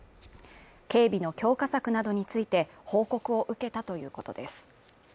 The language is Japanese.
警備の強化策などについて報告を受けたということです。